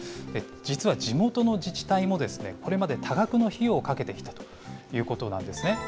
実は、地元の自治体も、これまで多額の費用をかけてきたということなんですね。